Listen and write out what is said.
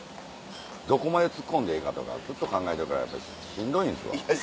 どこまでツッコんでええかとかずっと考えてるからしんどいんですわ。